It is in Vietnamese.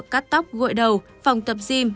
cắt tóc gội đầu phòng tập gym